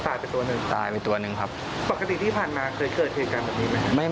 ไปตัวหนึ่งตายไปตัวหนึ่งครับปกติที่ผ่านมาเคยเกิดเหตุการณ์แบบนี้ไหมครับ